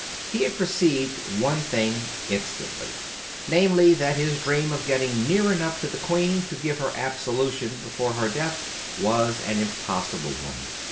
He had perceived one thing instantly — namely, that his dream of getting near enough to the Queen to give her absolution before her death was an impossible one.